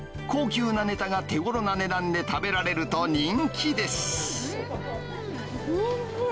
高級なねたが手ごろな値段で食べられると人気です。